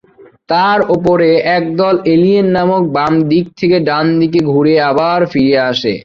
তার উপরে একদল এলিয়েন বাম দিক থেকে ডান দিকে ঘুরে আবার ফিরে আসে।